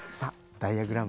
ダイヤグラム。